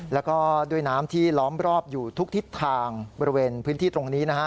แล้วก็ด้วยน้ำที่ล้อมรอบอยู่ทุกทิศทางบริเวณพื้นที่ตรงนี้นะฮะ